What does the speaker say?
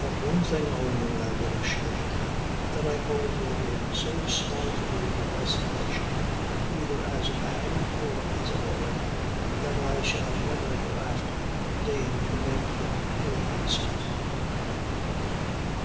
Of one thing only I will assure him, that I hold him in so small a degree of estimation, either as a man or as a lawyer, that I shall never hereafter deign to make him any answer."